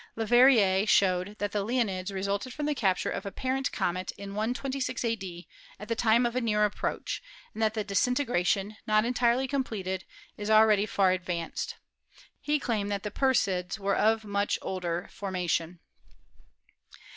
Leverrier showed that the Leonids resulted from the capture of a parent comet in 126 a.d. at the time of a near approach, and that the disintegration, not entirely completed, is already far ad vanced. He claimed that the Perseids were of much older formation.